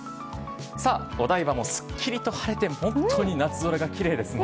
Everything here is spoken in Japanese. さあ、お台場もすっきりと晴れて、本当に夏空がきれいですね。